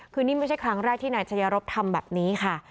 คือนี่ไม่ใช่ครั้งแรกที่นายชายรบทำแบบนี้ค่ะ